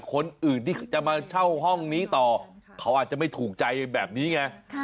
คนอื่นที่จะมาเช่าห้องนี้ต่อเขาอาจจะไม่ถูกใจแบบนี้ไง